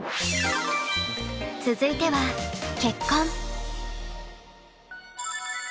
続いては「結婚」。